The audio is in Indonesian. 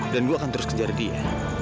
dan gue akan terus kejar dia